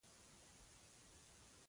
په منظم ډول کیسه ولیکي.